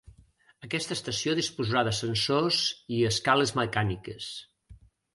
Aquesta estació disposarà d'ascensors i escales mecàniques.